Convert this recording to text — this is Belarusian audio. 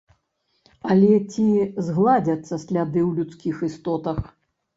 Але ці згладзяцца сляды ў людскіх істотах?